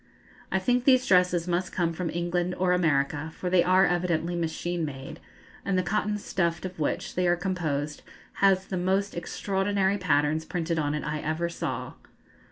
I think these dresses must come from England or America, for they are evidently machine made, and the cotton stuft of which they are composed has the most extraordinary patterns printed on it I ever saw.